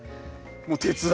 もう鉄だ。